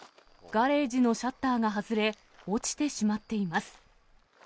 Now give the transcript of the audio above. ガレージのシャッターが外れ、落ちてしまっています。